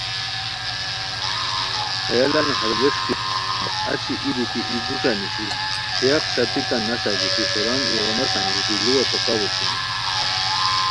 خیالان ہر ووݰکی بندئے اچی ای بیتی ای گوݯہ نیشی شیاق ݰاپیکان نسہ گیتی سوران ایغو نسہ انگیتی لوا ݯوکاؤ اوشونی